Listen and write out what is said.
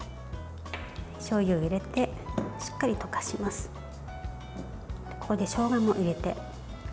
しょうゆを入れてしっかり溶かします。